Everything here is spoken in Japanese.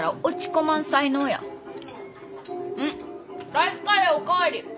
ライスカレーお代わり！